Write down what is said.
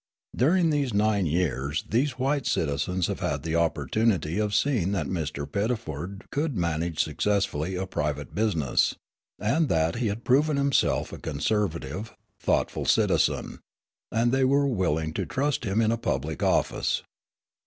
During these nine years these white citizens have had the opportunity of seeing that Mr. Pettiford could manage successfully a private business, and that he had proven himself a conservative, thoughtful citizen; and they were willing to trust him in a public office.